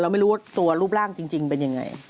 ไม่รู้ว่าตัวรูปร่างจริงเป็นยังไง